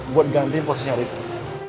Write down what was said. buat gantiin posisinya rifki